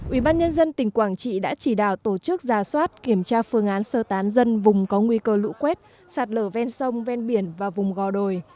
ubnd tỉnh quảng trị đã chỉ đạo tổ chức giả soát kiểm tra phương án sơ tán dân vùng có nguy cơ lũ quét sạt lở ven sông ven biển và vùng gò đồi